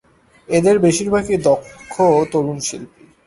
এদের বেশিরভাগই দক্ষ তরুণ শিল্পী।